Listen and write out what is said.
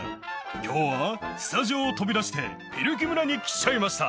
きょうはスタジオを飛び出して、ピルキ村に来ちゃいました。